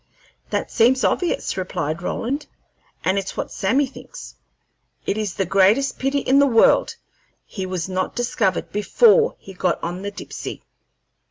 "That seems obvious," replied Roland, "and it's what Sammy thinks. It is the greatest pity in the world he was not discovered before he got on the Dipsey."